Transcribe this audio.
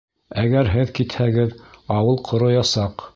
Әгәр һеҙ китһәгеҙ, ауыл ҡороясаҡ.